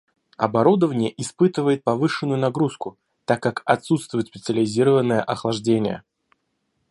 Оборудование испытывает повышенную нагрузку, так как отсутствует специализированное охлаждение